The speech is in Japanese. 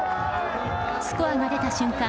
スコアが出た瞬間